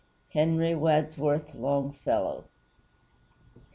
HENRY WADSWORTH LONGFELLOW.